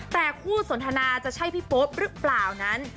แต่คู่สนทนาจะใช่พี่โป๊ปหรือเปล่านั้น